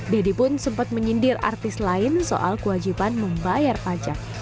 deddy pun sempat menyindir artis lain soal kewajiban membayar pajak